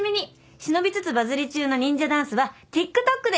忍びつつバズり中の忍者ダンスはＴｉｋＴｏｋで。